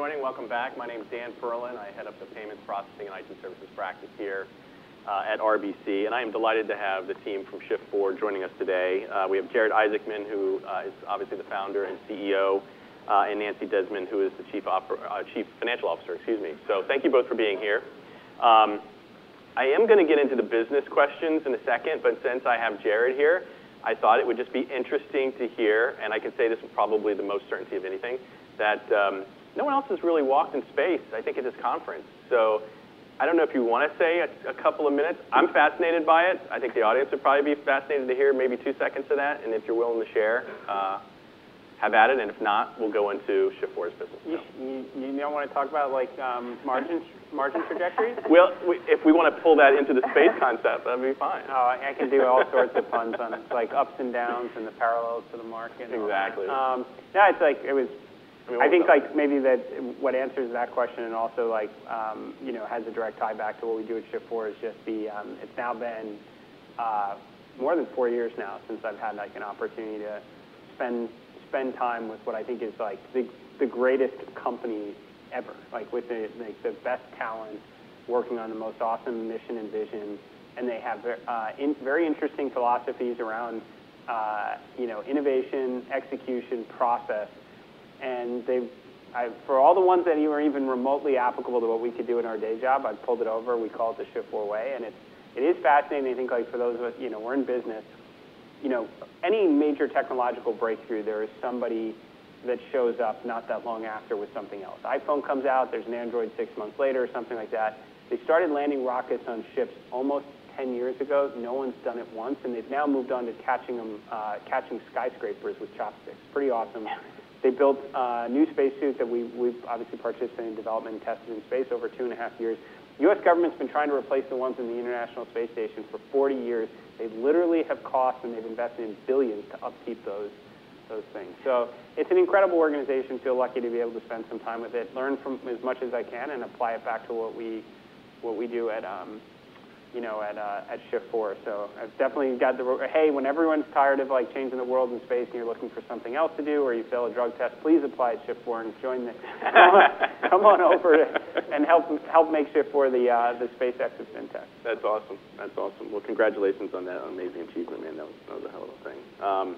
Joining. Welcome back. My name's Dan Perlin. I head up the Payments Processing and IT Services Practice here at RBC. And I am delighted to have the team from Shift4 joining us today. We have Jared Isaacman, who is obviously the founder and CEO, and Nancy Disman, who is the Chief Financial Officer, excuse me. So thank you both for being here. I am going to get into the business questions in a second. But since I have Jared here, I thought it would just be interesting to hear, and I can say this with probably the most certainty of anything, that no one else has really walked in space, I think, at this conference. So I don't know if you want to say a couple of minutes. I'm fascinated by it. I think the audience would probably be fascinated to hear maybe two seconds of that. And if you're willing to share, have at it. And if not, we'll go into Shift4's business. You know what I want to talk about, like margin trajectories? If we want to pull that into the space concept, that'd be fine. Oh, I can do all sorts of puns on it. It's like ups and downs and the parallels to the market. Exactly. Yeah, it's like it was, I think, like maybe that what answers that question and also has a direct tie back to what we do at Shift4 is just the it's now been more than four years now since I've had an opportunity to spend time with what I think is the greatest company ever, with the best talent working on the most awesome mission and vision. And they have very interesting philosophies around innovation, execution, process. And for all the ones that were even remotely applicable to what we could do in our day job, I pulled it over. We called it the Shift4 Way. And it is fascinating, I think, for those of us, we're in business. Any major technological breakthrough, there is somebody that shows up not that long after with something else. iPhone comes out, there's an Android six months later, something like that. They started landing rockets on ships almost 10 years ago. No one's done it once. And they've now moved on to catching skyscrapers with chopsticks. Pretty awesome. They built new spacesuits that we've obviously participated in development and tested in space over two and a half years. The U.S. government's been trying to replace the ones in the International Space Station for 40 years. They literally have costs and they've invested in billions to upkeep those things. So it's an incredible organization. I feel lucky to be able to spend some time with it, learn from as much as I can, and apply it back to what we do at Shift4. So I've definitely got the hey, when everyone's tired of changing the world in space and you're looking for something else to do or you fail a drug test, please apply at Shift4 and join the come on over and help make Shift4 the SpaceX of fintech. That's awesome. That's awesome. Well, congratulations on that amazing achievement, man. That was a hell of a thing.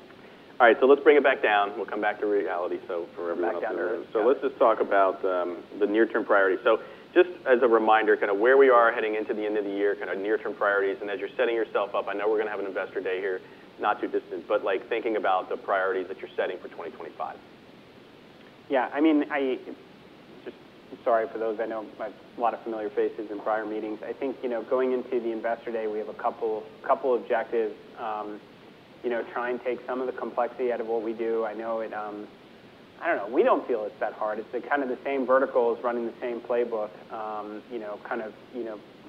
All right, so let's bring it back down. We'll come back to reality for everyone else. Back down to real. So let's just talk about the near-term priorities. So just as a reminder, kind of where we are heading into the end of the year, kind of near-term priorities. And as you're setting yourself up, I know we're going to have an Investor Day here not too distant, but thinking about the priorities that you're setting for 2025. Yeah, I mean, just sorry for those. I know a lot of familiar faces in prior meetings. I think going into the Investor Day, we have a couple of objectives. Try and take some of the complexity out of what we do. I don't know. We don't feel it's that hard. It's kind of the same verticals running the same playbook, kind of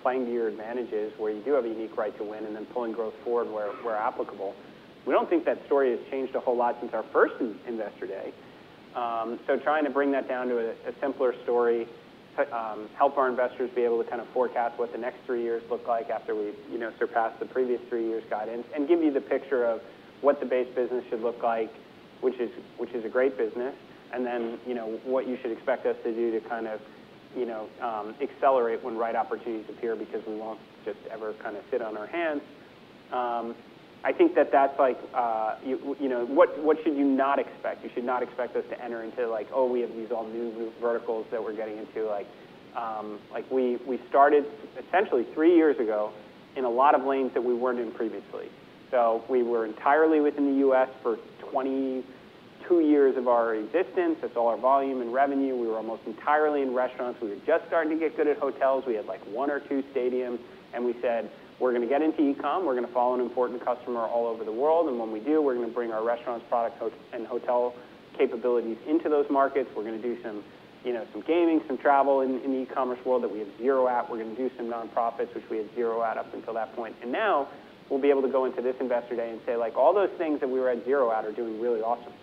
playing to your advantages where you do have a unique right to win and then pulling growth forward where applicable. We don't think that story has changed a whole lot since our first Investor Day. So, trying to bring that down to a simpler story, help our investors be able to kind of forecast what the next three years look like after we surpass the previous three years' guidance, and give you the picture of what the base business should look like, which is a great business, and then what you should expect us to do to kind of accelerate when right opportunities appear because we won't just ever kind of sit on our hands. I think that that's like what should you not expect? You should not expect us to enter into, like, oh, we have these all new verticals that we're getting into. We started essentially three years ago in a lot of lanes that we weren't in previously, so we were entirely within the U.S. for 22 years of our existence. That's all our volume and revenue. We were almost entirely in restaurants. We were just starting to get good at hotels. We had like one or two stadiums, and we said, we're going to get into e-commerce. We're going to follow an important customer all over the world, and when we do, we're going to bring our restaurants, products, and hotel capabilities into those markets. We're going to do some gaming, some travel in the e-commerce world that we have zero at. We're going to do some nonprofits, which we had zero at up until that point, and now we'll be able to go into this Investor Day and say, like, all those things that we were at zero at are doing really awesome.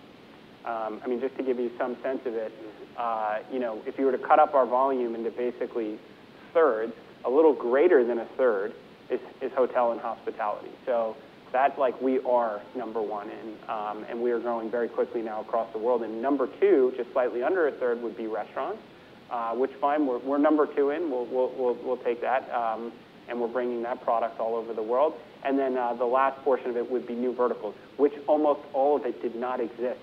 I mean, just to give you some sense of it, if you were to cut up our volume into basically thirds, a little greater than a third is hotel and hospitality. So that's like we are number one in. And we are growing very quickly now across the world. And number two, just slightly under a third, would be restaurants, which, fine, we're number two in. We'll take that. And we're bringing that product all over the world. And then the last portion of it would be new verticals, which almost all of it did not exist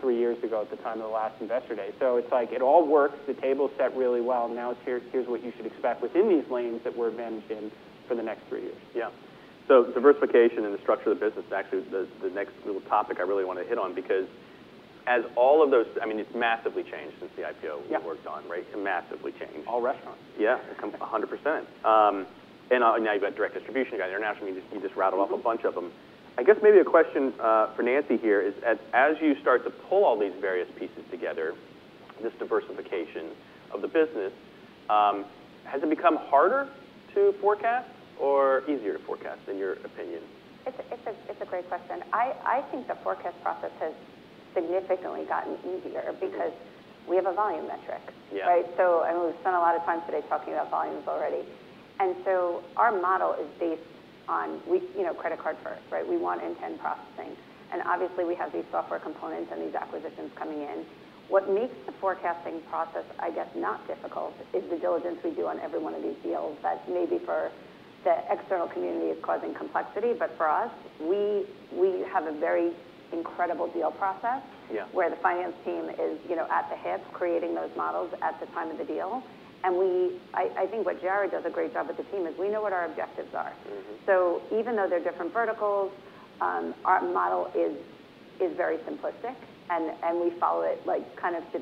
three years ago at the time of the last Investor Day. So it's like it all works. The table's set really well. Now here's what you should expect within these lanes that we're advantaged in for the next three years. Yeah. So diversification and the structure of the business is actually the next little topic I really want to hit on because as all of those, I mean, it's massively changed since the IPO we worked on, right? It's massively changed. All restaurants. Yeah, 100%. And now you've got direct distribution. You've got international. You just rattled off a bunch of them. I guess maybe a question for Nancy here is, as you start to pull all these various pieces together, this diversification of the business, has it become harder to forecast or easier to forecast, in your opinion? It's a great question. I think the forecast process has significantly gotten easier because we have a volume metric, right? So I mean, we've spent a lot of time today talking about volumes already. And so our model is based on credit card first, right? We want in-house processing. And obviously, we have these software components and these acquisitions coming in. What makes the forecasting process, I guess, not difficult is the diligence we do on every one of these deals that maybe for the external community is causing complexity. But for us, we have a very incredible deal process where the finance team is at the hip creating those models at the time of the deal. And I think what Jared does a great job with the team is we know what our objectives are. So even though they're different verticals, our model is very simplistic. And we follow it kind of.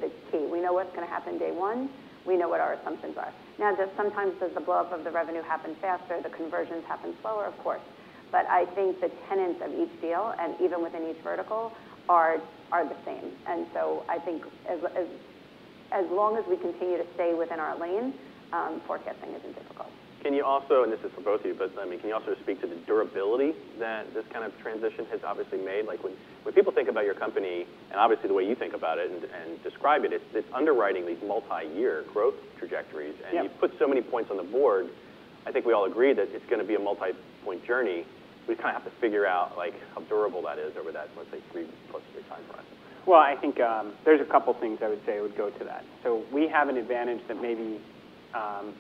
We know what's going to happen day one. We know what our assumptions are. Now, sometimes does the flood of the revenue happen faster? The conversions happen slower, of course. But I think the tenets of each deal, and even within each vertical, are the same. And so I think as long as we continue to stay within our lane, forecasting isn't difficult. Can you also, and this is for both of you, but I mean, can you also speak to the durability that this kind of transition has obviously made? When people think about your company, and obviously the way you think about it and describe it, it's underwriting these multi-year growth trajectories. And you've put so many points on the board. I think we all agree that it's going to be a multi-point journey. We kind of have to figure out how durable that is over that, let's say, three-plus-year time horizon. I think there's a couple of things I would say would go to that. We have an advantage that maybe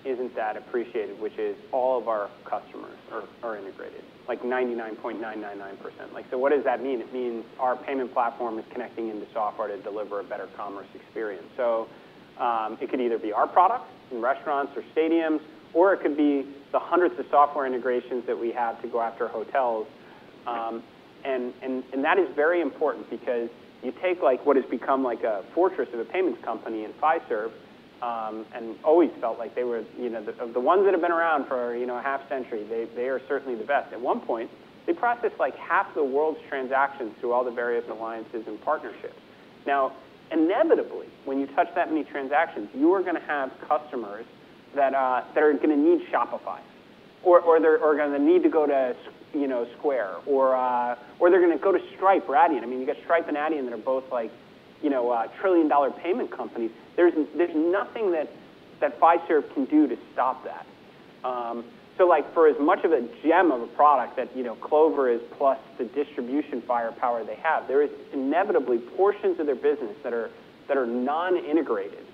isn't that appreciated, which is all of our customers are integrated, like 99.999%. What does that mean? It means our payment platform is connecting into software to deliver a better commerce experience. It could either be our products in restaurants or stadiums, or it could be the hundreds of software integrations that we have to go after hotels. That is very important because you take what has become like a fortress of a payments company in Fiserv and always felt like they were the ones that have been around for a half century. They are certainly the best. At one point, they processed like half the world's transactions through all the various alliances and partnerships. Now, inevitably, when you touch that many transactions, you are going to have customers that are going to need Shopify or are going to need to go to Square or they're going to go to Stripe or Adyen. I mean, you've got Stripe and Adyen that are both like trillion-dollar payment companies. There's nothing that Fiserv can do to stop that. So for as much of a gem of a product that Clover is plus the distribution firepower they have, there are inevitably portions of their business that are non-integrated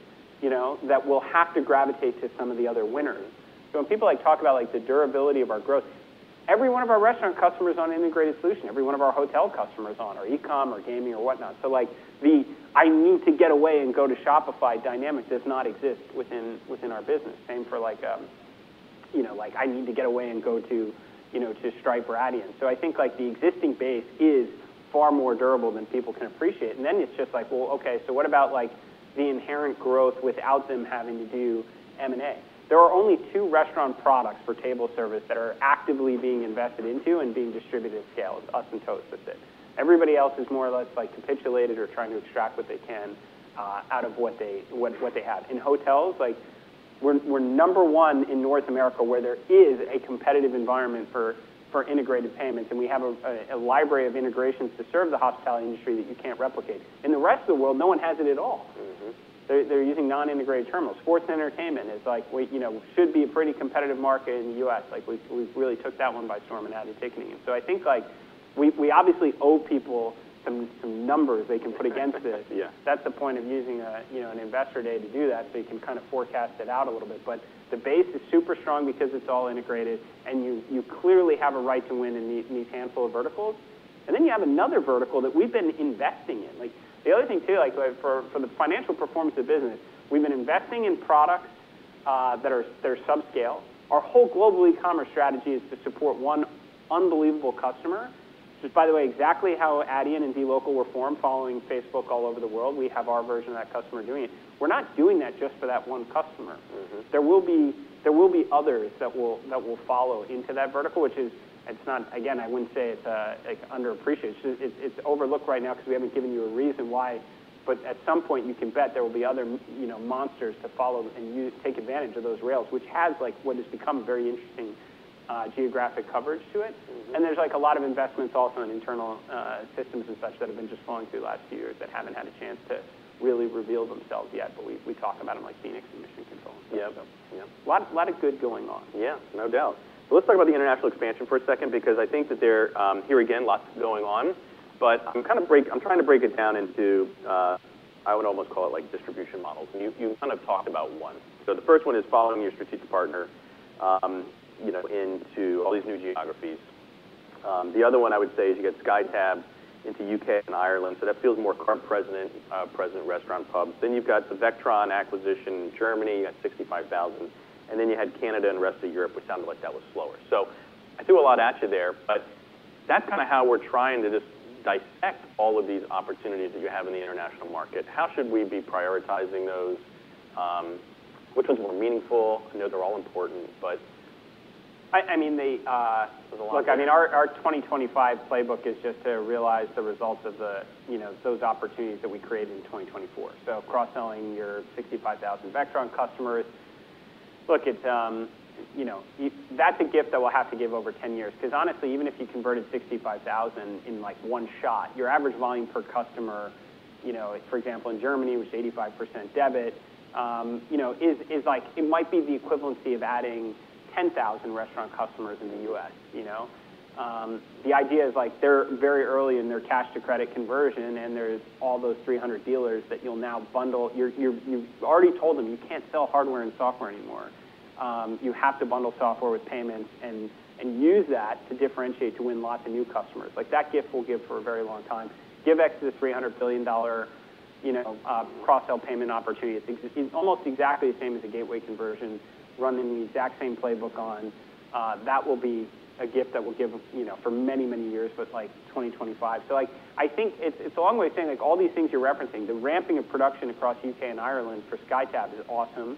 that will have to gravitate to some of the other winners. So when people talk about the durability of our growth, every one of our restaurant customers on integrated solution, every one of our hotel customers on our e-comm or gaming or whatnot. So the idea to get away and go to Shopify dynamics does not exist within our business. Same for the idea to get away and go to Stripe or Adyen. So I think the existing base is far more durable than people can appreciate. And then it's just like, well, OK, so what about the inherent growth without them having to do M&A? There are only two restaurant products for table service that are actively being invested into and being distributed at scale, us and Toast with it. Everybody else is more or less capitulated or trying to extract what they can out of what they have. In hotels, we're number one in North America where there is a competitive environment for integrated payments. And we have a library of integrations to serve the hospitality industry that you can't replicate. In the rest of the world, no one has it at all. They're using non-integrated terminals. Sports and entertainment is, like, should be a pretty competitive market in the U.S. We really took that one by storm and had it ticking. And so I think we obviously owe people some numbers they can put against it. That's the point of using an Investor Day to do that so you can kind of forecast it out a little bit. But the base is super strong because it's all integrated. And you clearly have a right to win in these handful of verticals. And then you have another vertical that we've been investing in. The other thing too, for the financial performance of business, we've been investing in products that are subscale. Our whole global e-commerce strategy is to support one unbelievable customer, which is, by the way, exactly how Adyen and DLocal were formed following Facebook all over the world. We have our version of that customer doing it. We're not doing that just for that one customer. There will be others that will follow into that vertical, which is, again, I wouldn't say it's underappreciated. It's overlooked right now because we haven't given you a reason why. But at some point, you can bet there will be other monsters to follow and take advantage of those rails, which has, what has become, very interesting geographic coverage to it. And there's a lot of investments also in internal systems and such that have been just flowing through the last few years that haven't had a chance to really reveal themselves yet. But we talk about them like Phoenix and Mission Control. A lot of good going on. Yeah, no doubt. So let's talk about the international expansion for a second because I think that there are here again lots going on. But I'm kind of trying to break it down into I would almost call it distribution models. And you kind of talked about one. So the first one is following your strategic partner into all these new geographies. The other one I would say is you get SkyTab into U.K. and Ireland. So that feels more current, present restaurant, pub. Then you've got the Vectron acquisition in Germany at 65,000. And then you had Canada and the rest of Europe, which sounded like that was slower. So I threw a lot at you there. But that's kind of how we're trying to just dissect all of these opportunities that you have in the international market. How should we be prioritizing those? Which ones are more meaningful? I know they're all important, but I mean, look, I mean, our 2025 playbook is just to realize the results of those opportunities that we created in 2024. So cross-selling your 65,000 Vectron customers. Look, that's a gift that we'll have to give over 10 years because honestly, even if you converted 65,000 in one shot, your average volume per customer, for example, in Germany, which is 85% debit, is like it might be the equivalency of adding 10,000 restaurant customers in the U.S. The idea is they're very early in their cash-to-credit conversion. And there's all those 300 dealers that you'll now bundle. You've already told them you can't sell hardware and software anymore. You have to bundle software with payments and use that to differentiate to win lots of new customers. That gift will give for a very long time. Givex the $300 billion cross-sell payment opportunity. It's almost exactly the same as a gateway conversion running the exact same playbook on. That will be a gift that will give for many, many years, but like 2025. So I think it's a long way of saying all these things you're referencing, the ramping of production across U.K. and Ireland for SkyTab is awesome.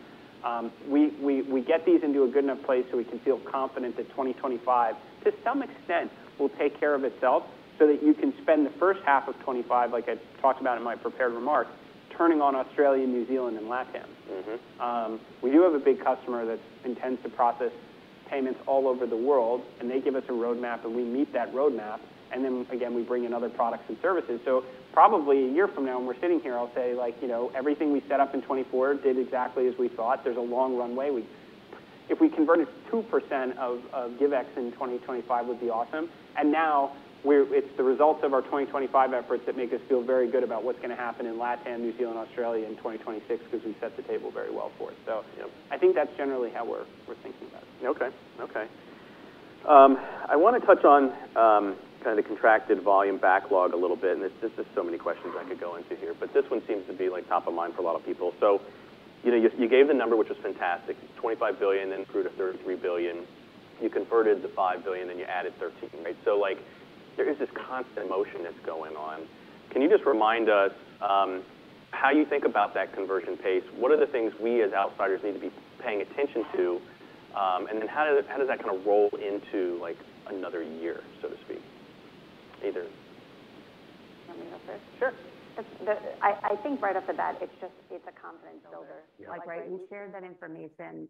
We get these into a good enough place so we can feel confident that 2025, to some extent, will take care of itself so that you can spend the first half of 2025, like I talked about in my prepared remark, turning on Australia, New Zealand, and LatAm. We do have a big customer that intends to process payments all over the world, and they give us a roadmap, and we meet that roadmap, and then again we bring in other products and services. So probably a year from now, when we're sitting here, I'll say everything we set up in 2024 did exactly as we thought. There's a long runway. If we converted 2% of Givex in 2025, it would be awesome. And now it's the results of our 2025 efforts that make us feel very good about what's going to happen in LatAm, New Zealand, Australia, and 2026 because we set the table very well for it. So I think that's generally how we're thinking about it. OK, OK. I want to touch on kind of the contracted volume backlog a little bit. And there's just so many questions I could go into here. But this one seems to be top of mind for a lot of people. So you gave the number, which was fantastic, $25 billion. Grew to $33 billion. You converted the $5 billion. And you added $13 billion, right? So there is this constant motion that's going on. Can you just remind us how you think about that conversion pace? What are the things we as outsiders need to be paying attention to? And then how does that kind of roll into another year, so to speak, either? Let me go first. Sure. I think right off the bat, it's just a confidence builder. Yeah, absolutely. We shared that information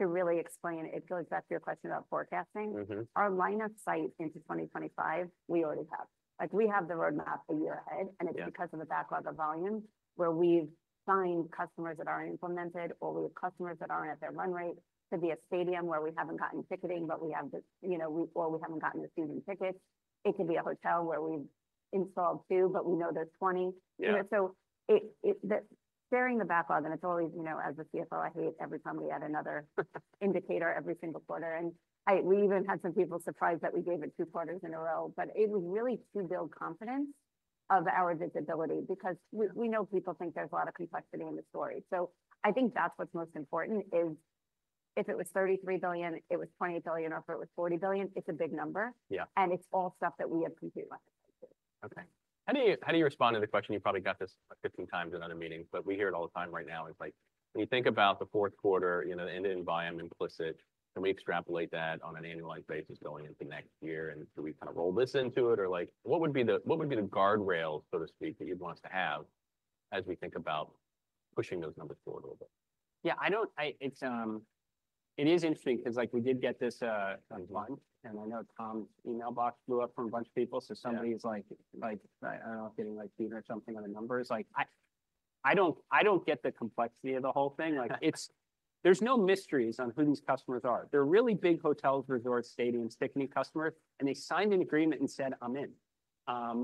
to really explain. It goes back to your question about forecasting. Our line of sight into 2025, we already have. We have the roadmap a year ahead, and it's because of the backlog of volume where we've signed customers that aren't implemented or we have customers that aren't at their run rate. It could be a stadium where we haven't gotten ticketing, but we haven't gotten a season ticket. It could be a hotel where we've installed two, but we know there's 20, so sharing the backlog, and it's always, as a CFO, I hate every time we add another indicator every single quarter. And we even had some people surprised that we gave it two quarters in a row, but it was really to build confidence of our visibility because we know people think there's a lot of complexity in the story. So, I think that's what's most important is if it was $33 billion, it was $20 billion, or if it was $40 billion, it's a big number. And it's all stuff that we have compute on. OK. How do you respond to the question? You probably got this 15 times in other meetings. But we hear it all the time right now. It's like when you think about the fourth quarter, the end-to-end volume implicit, can we extrapolate that on an annualized basis going into next year? And do we kind of roll this into it? Or what would be the guardrails, so to speak, that you'd want us to have as we think about pushing those numbers forward a little bit? Yeah, it is interesting because we did get this once, and I know Tom's email box blew up from a bunch of people, so somebody's like, I don't know, getting like freaked or something on the numbers. I don't get the complexity of the whole thing. There's no mysteries on who these customers are. They're really big hotels, resorts, stadiums, picnic customers, and they signed an agreement and said, I'm in.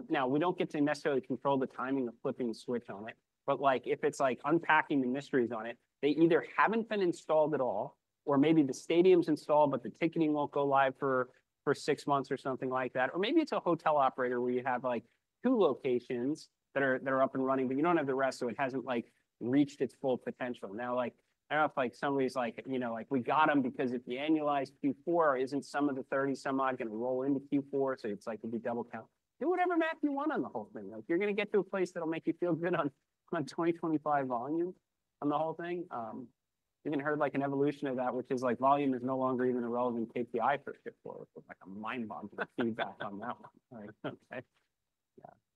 Now, we don't get to necessarily control the timing of flipping a switch on it, but if it's like unpacking the mysteries on it, they either haven't been installed at all, or maybe the stadium's installed, but the ticketing won't go live for six months or something like that, or maybe it's a hotel operator where you have two locations that are up and running, but you don't have the rest, so it hasn't reached its full potential. Now, I don't know if somebody's like, we got them because if we annualize Q4, isn't some of the 30-some-odd going to roll into Q4? So it's like it'll be double count. Do whatever math you want on the whole thing. You're going to get to a place that'll make you feel good on 2025 volume on the whole thing. You're going to hear like an evolution of that, which is like volume is no longer even a relevant KPI for Shift4. It's like a mind-boggling feedback on that one.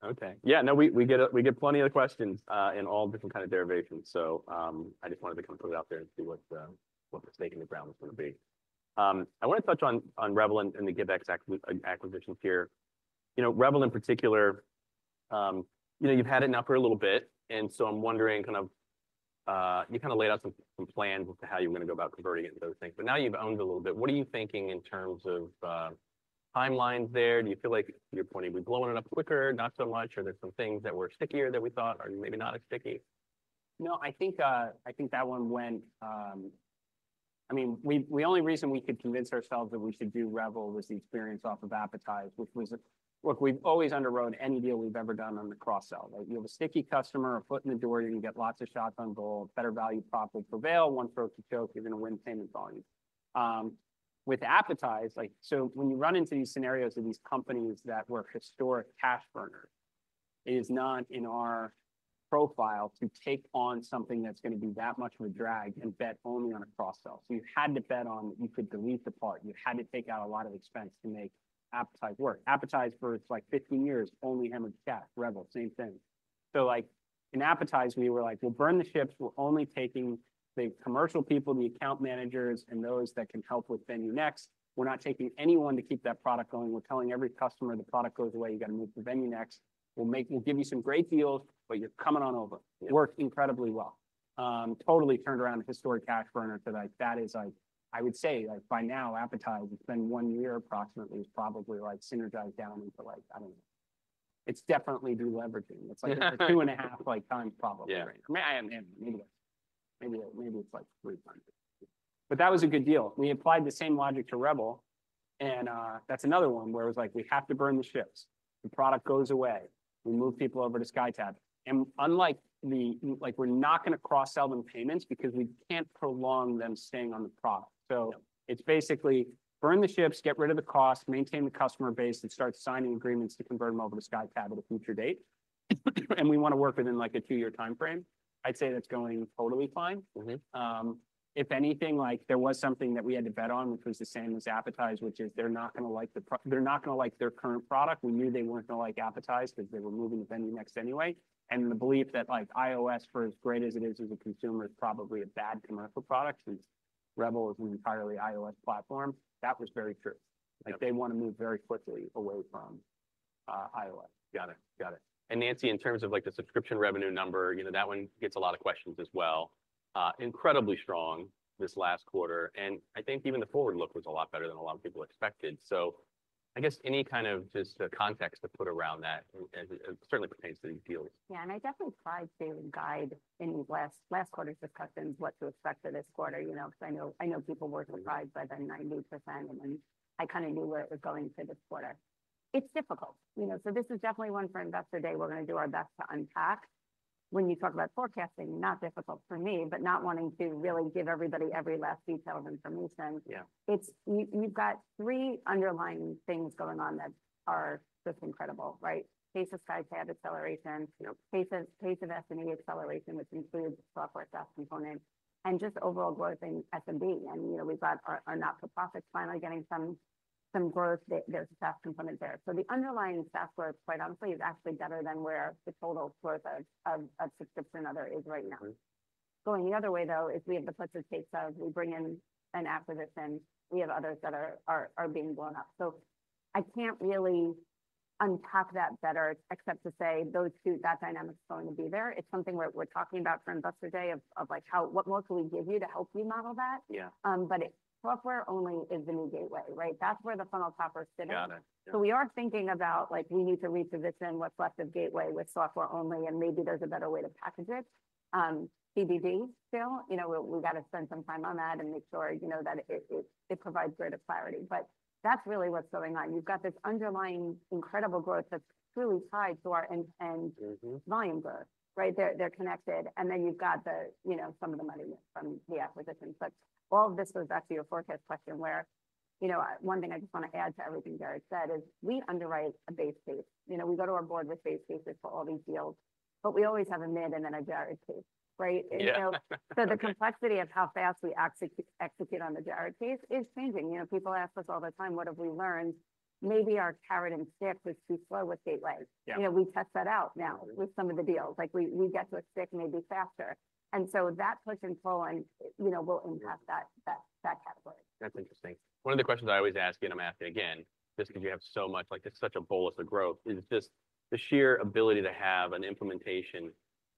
OK. Yeah, no, we get plenty of questions in all different kinds of derivations. So I just wanted to kind of put it out there and see what the stake in the ground was going to be. I want to touch on Revel and the Givex acquisitions here. Revel in particular, you've had it now for a little bit. And so I'm wondering, kind of you kind of laid out some plans as to how you're going to go about converting it and those things. But now you've owned a little bit. What are you thinking in terms of timelines there? Do you feel like, to your point, are we blowing it up quicker, not so much? Are there some things that were stickier than we thought? Are you maybe not as sticky? No, I think that one went. I mean, the only reason we could convince ourselves that we should do Revel was the experience off of Appetize, which was, look, we've always underwrote any deal we've ever done on the cross-sell. You have a sticky customer, a foot in the door, you're going to get lots of shots on goal, better value prop will prevail, one throat to choke, you're going to win payment volume. With Appetize, so when you run into these scenarios of these companies that were historic cash burners, it is not in our profile to take on something that's going to be that much of a drag and bet only on a cross-sell. So you had to bet on that you could delete the fat. You had to take out a lot of expense to make Appetize work. Appetize for like 15 years only hemorrhaged cash. Revel, same thing. So in Appetize, we were like, we'll burn the ships. We're only taking the commercial people, the account managers, and those that can help with VenueNext. We're not taking anyone to keep that product going. We're telling every customer the product goes away, you've got to move to VenueNext. We'll give you some great deals, but you're coming on over. It worked incredibly well. Totally turned around a historic cash burner today. That is, I would say, by now, Appetize has been one year approximately, is probably like synergized down into like, I don't know. It's definitely deleveraging. It's like a two and a half times problem. Maybe it's like three times. But that was a good deal. We applied the same logic to Revel. And that's another one where it was like, we have to burn the ships. The product goes away. We move people over to SkyTab. And unlike the, we're not going to cross-sell them payments because we can't prolong them staying on the product. So it's basically burn the ships, get rid of the cost, maintain the customer base, and start signing agreements to convert them over to SkyTab at a future date. And we want to work within like a two-year time frame. I'd say that's going totally fine. If anything, there was something that we had to bet on, which was the same as Appetize, which is they're not going to like their current product. We knew they weren't going to like Appetize because they were moving to VenueNext anyway. And the belief that iOS, for as great as it is as a consumer, is probably a bad commercial product since Revel is an entirely iOS platform, that was very true. They want to move very quickly away from iOS. Got it. Got it, and Nancy, in terms of the subscription revenue number, that one gets a lot of questions as well. Incredibly strong this last quarter, and I think even the forward look was a lot better than a lot of people expected, so I guess any kind of just context to put around that certainly pertains to these deals. Yeah, and I definitely tried to guide in last quarter's discussions what to expect for this quarter. I know people were surprised by the 90%. And then I kind of knew where it was going for this quarter. It's difficult. So this is definitely one for investor day. We're going to do our best to unpack. When you talk about forecasting, not difficult for me. But not wanting to really give everybody every last detail of information, you've got three underlying things going on that are just incredible, right? Pace of SkyTab acceleration, pace of SMB acceleration, which includes SaaS component, and just overall growth in SMB. And we've got our not-for-profits finally getting some growth. There's a SaaS component there. So the underlying SaaS growth, quite honestly, is actually better than where the total growth of subscription and other is right now. Going the other way, though, is we have the Pledge of Take stuff. We bring in an acquisition. We have others that are being blown up. So I can't really unpack that better except to say that dynamic's going to be there. It's something we're talking about for investor day of what we'll give you to help you model that. But software only is the new gateway, right? That's where the funnel topper sits. So we are thinking about we need to reposition what's left of gateway with software only. And maybe there's a better way to package it. TBD still. We've got to spend some time on that and make sure that it provides greater clarity. But that's really what's going on. You've got this underlying incredible growth that's truly tied to our end-to-end volume growth, right? They're connected. Then you've got some of the money from the acquisition. But all of this goes back to your forecast question where one thing I just want to add to everything Jared said is we underwrite a base case. We go to our board with base cases for all these deals. But we always have a mid and then a Jared case, right? So the complexity of how fast we execute on the Jared case is changing. People ask us all the time, what have we learned? Maybe our carrot and stick was too slow with Gateway. We test that out now with some of the deals. We get to a stick maybe faster. And so that push and pull will impact that category. That's interesting. One of the questions I always ask, and I'm asking again, just because you have so much like this is such a bolus of growth, is just the sheer ability to have an implementation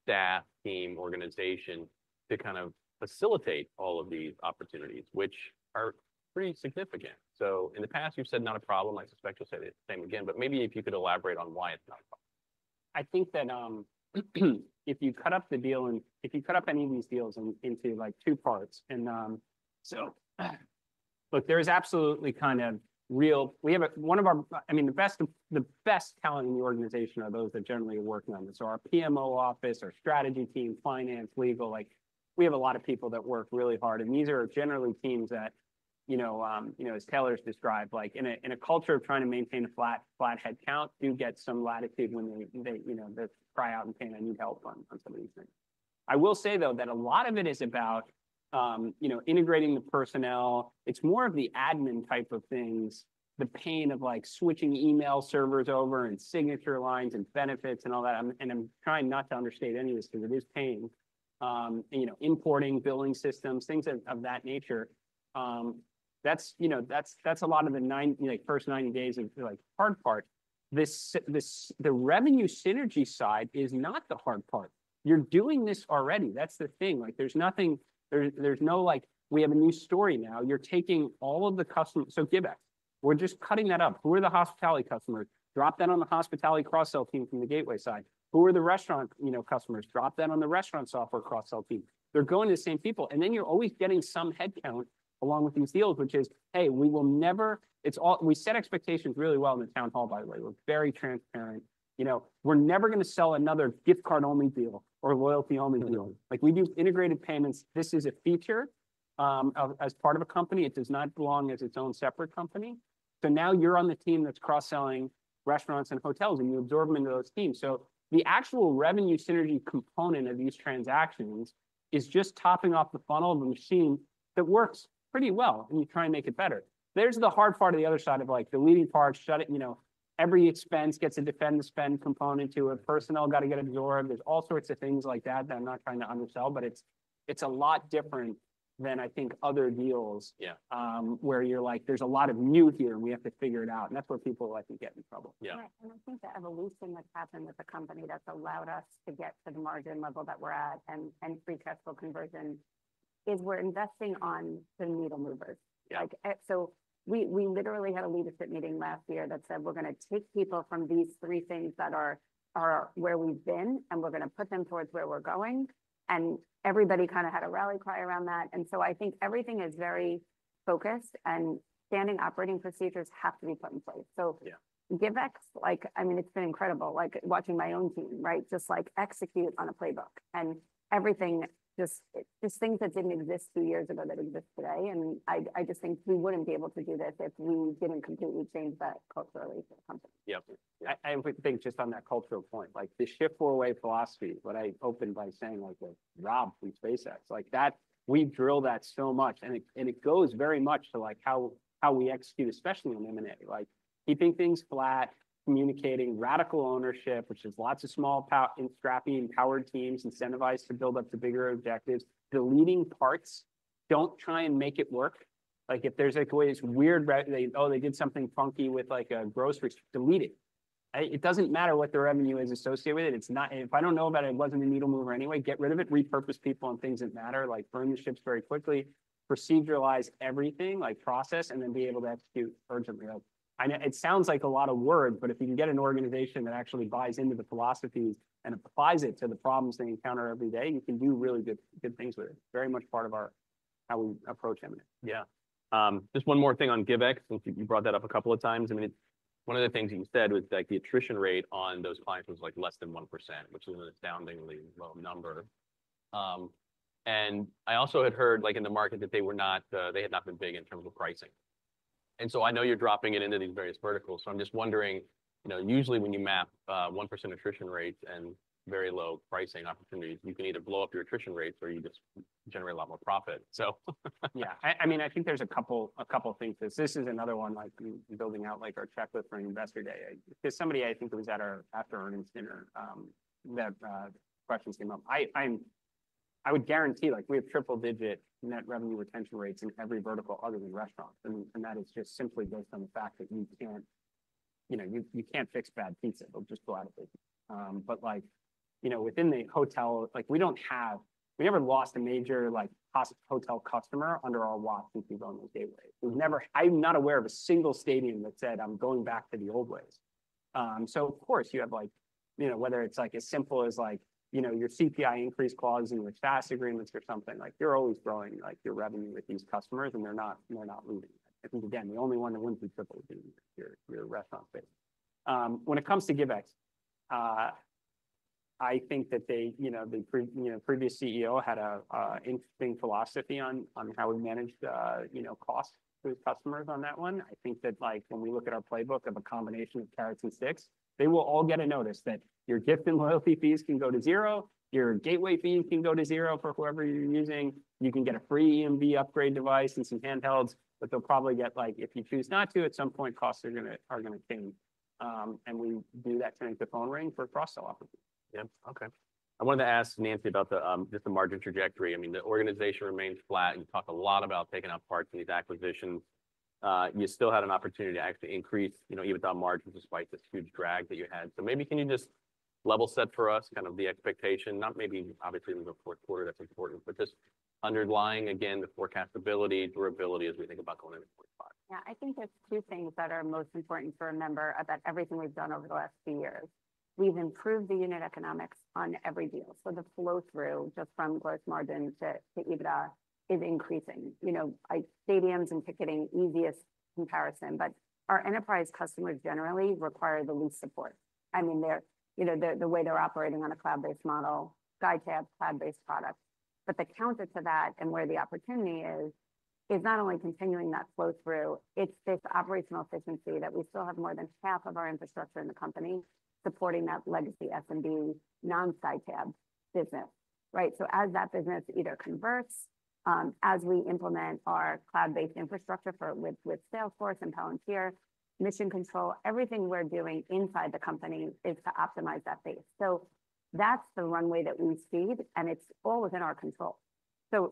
staff, team, organization to kind of facilitate all of these opportunities, which are pretty significant. So in the past, you've said not a problem. I suspect you'll say the same again. But maybe if you could elaborate on why it's not a problem. I think that if you cut up any of these deals into two parts. So look, there is absolutely, kind of, really, one of our, I mean, the best talent in the organization are those that generally are working on this. So our PMO office, our strategy team, finance, legal, we have a lot of people that work really hard. And these are generally teams that, as Taylor's described, in a culture of trying to maintain a flat headcount, do get some latitude when they cry out and need new help on some of these things. I will say, though, that a lot of it is about integrating the personnel. It's more of the admin type of things, the pain of switching email servers over and signature lines and benefits and all that. I'm trying not to understate any of this because it is pain. Importing billing systems, things of that nature. That's a lot of the first 90 days of hard part. The revenue synergy side is not the hard part. You're doing this already. That's the thing. There's no like, we have a new story now. You're taking all of the customers. So give us. We're just cutting that up. Who are the hospitality customers? Drop that on the hospitality cross-sell team from the gateway side. Who are the restaurant customers? Drop that on the restaurant software cross-sell team. They're going to the same people. And then you're always getting some headcount along with these deals, which is, hey, we will never set expectations really well in the town hall, by the way. We're very transparent. We're never going to sell another gift card-only deal or loyalty-only deal. We do integrated payments. This is a feature as part of a company. It does not belong as its own separate company. So now you're on the team that's cross-selling restaurants and hotels, and you absorb them into those teams. So the actual revenue synergy component of these transactions is just topping off the funnel of a machine that works pretty well. And you try and make it better. There's the hard part of the other side of the leading part. Every expense gets a defend the spend component to it. Personnel got to get absorbed. There's all sorts of things like that that I'm not trying to undersell. But it's a lot different than, I think, other deals where you're like, there's a lot of new here. And we have to figure it out. And that's where people like to get in trouble. Yeah. And I think the evolution that's happened with the company that's allowed us to get to the margin level that we're at and free cash flow conversion is we're investing on the needle movers. So we literally had a leadership meeting last year that said, we're going to take people from these three things that are where we've been, and we're going to put them towards where we're going. And everybody kind of had a rally cry around that. And so I think everything is very focused. And standard operating procedures have to be put in place. So Givex, I mean, it's been incredible. Watching my own team, right, just like execute on a playbook. And everything, just things that didn't exist two years ago that exist today. And I just think we wouldn't be able to do this if we didn't completely change that culturally for the company. Yeah. And I think just on that cultural point, the Shift4 Away philosophy, what I opened by saying, like RBC, we SpaceX. We drill that so much. And it goes very much to how we execute, especially on M&A. Keeping things flat, communicating, radical ownership, which is lots of small scrappy and empowered teams incentivized to build up to bigger objectives. The leading parts don't try and make it work. If there's a weird, oh, they did something funky with a grocery, delete it. It doesn't matter what the revenue is associated with it. If I don't know about it, it wasn't a needle mover anyway. Get rid of it. Repurpose people on things that matter. Burn the ships very quickly. Proceduralize everything, like process, and then be able to execute urgently. It sounds like a lot of words. But if you can get an organization that actually buys into the philosophies and applies it to the problems they encounter every day, you can do really good things with it. Very much part of how we approach M&A. Yeah. Just one more thing on Givex. You brought that up a couple of times. I mean, one of the things that you said was the attrition rate on those clients was like less than 1%, which is an astoundingly low number. And I also had heard in the market that they had not been big in terms of pricing. And so I know you're dropping it into these various verticals. So I'm just wondering, usually when you map 1% attrition rates and very low pricing opportunities, you can either blow up your attrition rates or you just generate a lot more profit. So. Yeah. I mean, I think there's a couple of things. This is another one building out our checklist for investor day. There's somebody I think was at our after-event dinner that questions came up. I would guarantee we have triple-digit Net Revenue Retention rates in every vertical other than restaurants. And that is just simply based on the fact that you can't fix bad pizza. It'll just go out of business. But within the hotel, we don't have. We never lost a major hotel customer under our watch since we've owned the Gateway. I'm not aware of a single stadium that said, I'm going back to the old ways. So of course, you have whether it's as simple as your CPI increase clauses and your SaaS agreements or something. You're always growing your revenue with these customers. And they're not moving. I think, again, the only one that went through triple-digit year is your restaurant space. When it comes to Givex, I think that the previous CEO had an interesting philosophy on how we manage costs for customers on that one. I think that when we look at our playbook of a combination of carrots and sticks, they will all get a notice that your gift and loyalty fees can go to zero. Your gateway fees can go to zero for whoever you're using. You can get a free EMV upgrade device and some handhelds. But they'll probably get like, if you choose not to, at some point, costs are going to change. And we do that to make the phone ring for cross-sell operations. Yeah. OK. I wanted to ask Nancy about just the margin trajectory. I mean, the organization remains flat. You talk a lot about taking out parts in these acquisitions. You still had an opportunity to actually increase EBITDA margins despite this huge drag that you had. So maybe can you just level set for us kind of the expectation? Not maybe, obviously, in the fourth quarter. That's important. But just underlying, again, the forecastability, durability as we think about going into 45. Yeah. I think there's two things that are most important to remember about everything we've done over the last few years. We've improved the unit economics on every deal. So the flow through just from gross margin to EBITDA is increasing. Stadiums and ticketing, easiest comparison. But our enterprise customers generally require the least support. I mean, the way they're operating on a cloud-based model, SkyTab, cloud-based products. But the counter to that and where the opportunity is, is not only continuing that flow through, it's this operational efficiency that we still have more than half of our infrastructure in the company supporting that legacy SMB non-SkyTab business, right? So as that business either converts, as we implement our cloud-based infrastructure with Salesforce and Palantir, Mission Control, everything we're doing inside the company is to optimize that base. So that's the runway that we seed. It's all within our control. When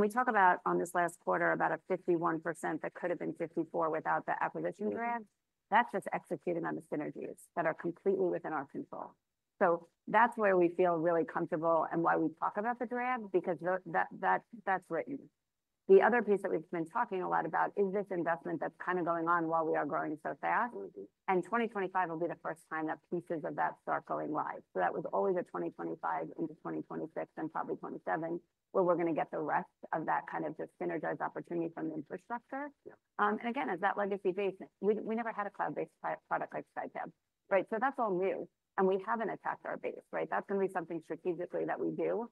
we talk about on this last quarter about a 51% that could have been 54% without the acquisition drag, that's just executing on the synergies that are completely within our control. That's where we feel really comfortable and why we talk about the drag because that's written. The other piece that we've been talking a lot about is this investment that's kind of going on while we are growing so fast. 2025 will be the first time that pieces of that start going live. That was always a 2025 into 2026 and probably 2027 where we're going to get the rest of that kind of just synergized opportunity from the infrastructure. Again, as that legacy base, we never had a cloud-based product like SkyTab, right? That's all new. We haven't attacked our base, right? That's going to be something strategically that we do.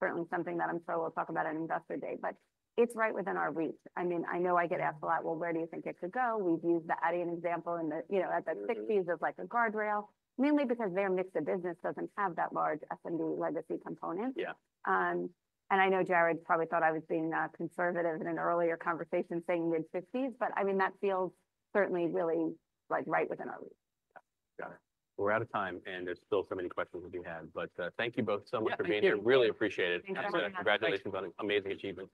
Certainly something that I'm sure we'll talk about at investor day, but it's right within our reach. I mean, I know I get asked a lot, well, where do you think it could go? We've used the Adyen example at the '60s as like a guardrail, mainly because their mix of business doesn't have that large SMB legacy component, and I know Jared probably thought I was being conservative in an earlier conversation saying mid '50s, but I mean, that feels certainly really right within our reach. Got it. We're out of time, and there's still so many questions we do have, but thank you both so much for being here. Really appreciate it. Thank you. Congratulations on an amazing achievement.